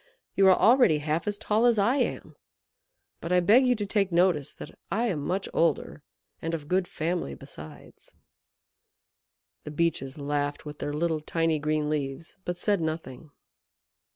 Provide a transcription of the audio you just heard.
"You are already half as tall as I am. But I beg you to take notice that I am much older, and of good family besides." The Beeches laughed with their little, tiny green leaves, but said nothing.